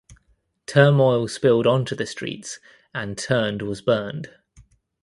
Turmoil spilled onto the streets and turned was burned.